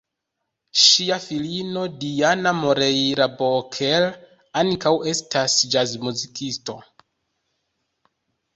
Ŝia filino Diana Moreira-Booker ankaŭ estas ĵazmuzikisto.